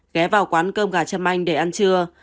ghé vào quán cơm gà trâm anh để ăn trưa